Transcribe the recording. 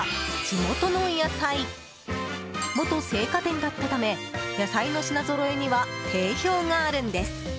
元青果店だったため野菜の品ぞろえには定評があるんです。